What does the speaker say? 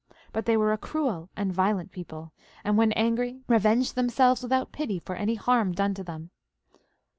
But they were a cruel and violent people, and when angry revenged themselves without pity for any harm done to them.